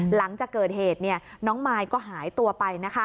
หลังจากเกิดเหตุเนี่ยน้องมายก็หายตัวไปนะคะ